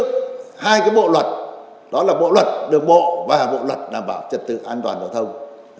hai cái bộ luật đó là bộ luật đường bộ và bộ luật đảm bảo trật tự an toàn giao thông